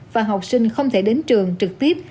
và học sinh không thể đến trường trực tiếp